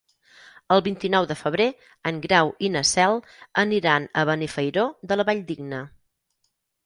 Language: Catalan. El vint-i-nou de febrer en Grau i na Cel aniran a Benifairó de la Valldigna.